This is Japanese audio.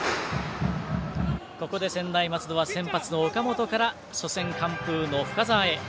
ここで専大松戸は先発、岡本から初戦完封の深沢へ。